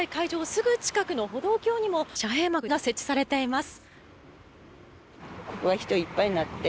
すぐ近くの歩道橋にも遮へい幕が設置されています。